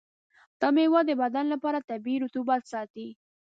دا میوه د بدن لپاره طبیعي رطوبت ساتي.